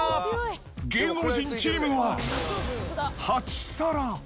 芸能人チームは８皿。